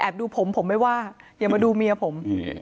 ดูผมผมไม่ว่าอย่ามาดูเมียผม